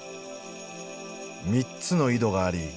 ３つの井戸があり